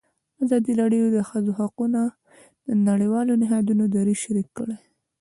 ازادي راډیو د د ښځو حقونه د نړیوالو نهادونو دریځ شریک کړی.